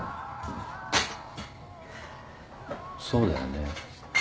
そうだよね。